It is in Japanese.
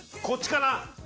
こっちかな。